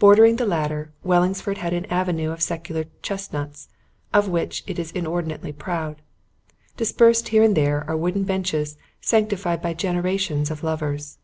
Bordering the latter, Wellingsford has an avenue of secular chestnuts of which it is inordinately proud. Dispersed here and there are wooden benches sanctified by generations of lovers.